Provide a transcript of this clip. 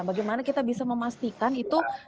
bagaimana kita bisa memastikan itu